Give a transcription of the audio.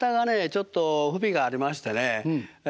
ちょっと不備がありましてね